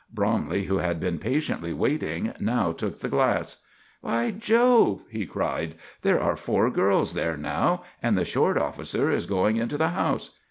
Bromley, who had been patiently waiting, now took the glass. "By Jove!" he cried, "there are four girls there now, and the short officer is going into the house.